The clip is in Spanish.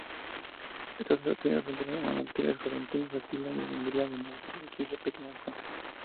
Están abastecidos por tres manantiales: Juventus, Attila y Hungaria, además de quince pequeñas fuentes.